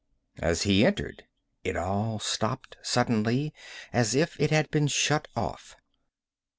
As he entered it all stopped, suddenly, as if it had been shut off.